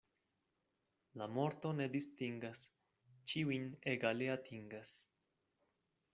La morto ne distingas, ĉiujn egale atingas.